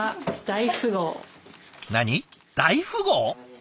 大富豪？